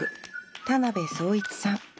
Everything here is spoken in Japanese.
田邊宗一さん。